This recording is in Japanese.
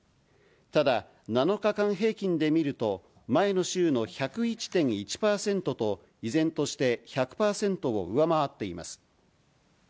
ただ、７日間平均で見ると、前の週の１０１．１％と、依然として１００％を上回っています。